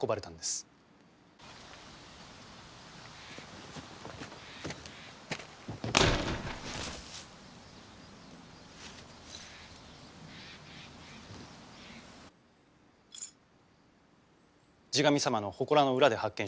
地神様のほこらの裏で発見しました。